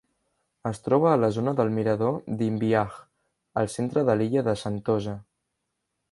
Es troba a la zona del mirador d'Imbiah, al centre de l'illa de Sentosa.